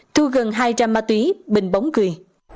thu gần hai trăm linh ma túy bình bóng cười